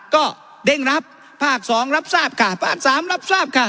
ก็เด้งรับภาคสองรับทราบค่ะภาคสามรับทราบค่ะ